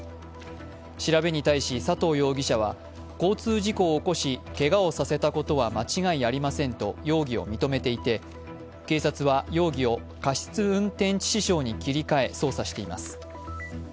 調べに対し佐藤容疑者は、交通事故を起こしけがをさせたことは間違いありませんと容疑を認めていて警察は容疑を過失運転致死傷に切り替え、捜査しています。